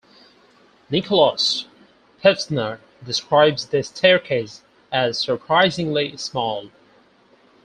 Nikolaus Pevsner describes the staircase as surprisingly small.